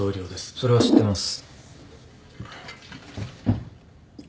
それは知ってます。